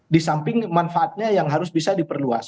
di samping manfaatnya yang harus bisa diperluas